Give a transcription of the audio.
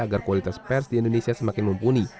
agar kualitas pers di indonesia semakin mumpuni